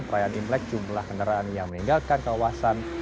perayaan imlek jumlah kendaraan yang meninggalkan kawasan